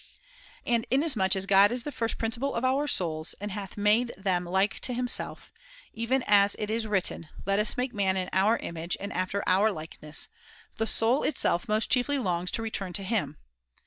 And inasmuch as God is the first principle of our souls, and hath XII. THE FOURTH TREATISE 289 made them like to himself, even as it is written, ever 'Let us make man in our image and after our growing likeness,' the soul itself most chiefly longs to return to him.